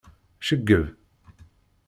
Ceggeb.